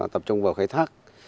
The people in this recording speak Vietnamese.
tập trung vào khai thác